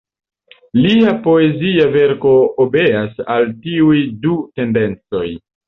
Lia poezia verko obeas al tiuj du tendencoj.